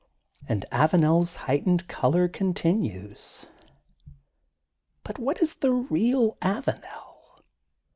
And AvanePs heightened color continues., But what is the real Avanel?